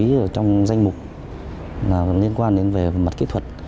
ma túy là trong danh mục liên quan đến về mặt kỹ thuật